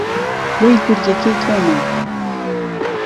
وەی دوورییهکهی تۆمه